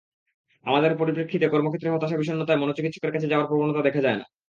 আমাদের পরিপ্রেক্ষিতে কর্মক্ষেত্রে হতাশা-বিষণ্নতায় মনোচিকিৎসকের কাছে যাওয়ার প্রবণতা দেখা যায় না।